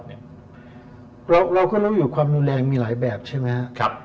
เราก็รู้อยู่ความรุนแรงมีหลายแบบใช่ไหมครับ